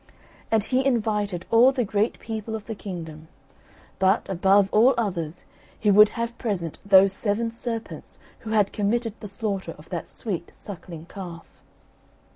And he invited all the great people of the kingdom, but, above all others, he would have present those seven serpents who had committed the slaughter of that sweet suckling calf.